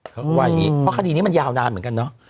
เพราะว่าคณะนี้ยาวนานเหมือนกันเนาะ